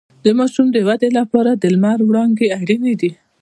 د ماشوم د ودې لپاره د لمر وړانګې اړینې دي